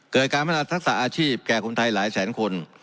การพัฒนาทักษะอาชีพแก่คนไทยหลายแสนคน